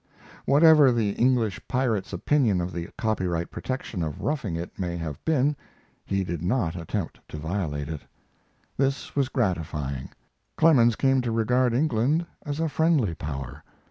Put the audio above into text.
Whatever the English pirate's opinion of the copyright protection of 'Roughing It' may have been, he did not attempt to violate it. This was gratifying. Clemens came to regard England as a friendly power.